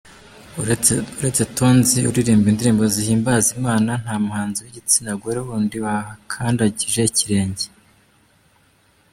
Uretse Tonzi uririmba indirimbo zihimbaza Imana nta muhanzi w’igitsinagore wundi wahakandagije ikirenge.